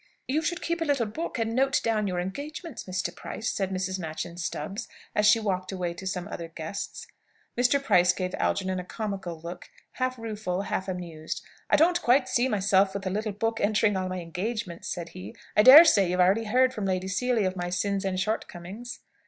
"You should keep a little book and note down your engagements, Mr. Price," said Mrs. Machyn Stubbs, as she walked away to some other guest. Mr. Price gave Algernon a comical look, half rueful, half amused. "I don't quite see myself with the little book, entering all my engagements," said he. "I daresay you've heard already from Lady Seely of my sins and shortcomings?"